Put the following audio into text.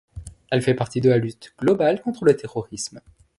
Elle fait partie de la lutte globale contre le terrorisme.